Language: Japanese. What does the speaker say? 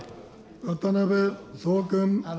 渡辺創君。